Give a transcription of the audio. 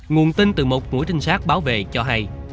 nguồn tin từ một mũi tinh sát báo về cho hay